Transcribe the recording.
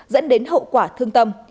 dẫn đến hậu quả thương tâm